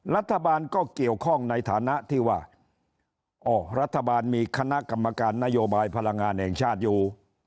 รัฐบาลก็เกี่ยวข้องในฐานะที่ว่าอ๋อรัฐบาลมีคณะกรรมการนโยบายพลังงานแห่งชาติอยู่